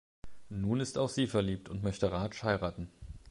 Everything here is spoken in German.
Nun ist auch sie verliebt und möchte Raj heiraten.